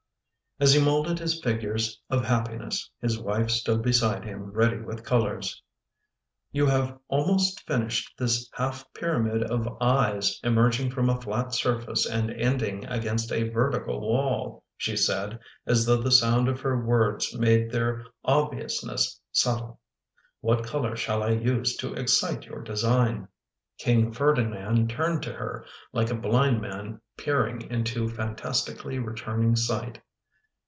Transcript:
As he moulded his figures of happiness, his wife stood beside him, ready with colors. " You have almost finished this half pyramid of eyes emerging from a flat surface and ending against a vertical wall/' she said, as though the sound of her words made their obviousness subtle. "What color shall I use to excite your design? " King Ferdinand turned to her, like a blind man peer ing into fantastically returning sight.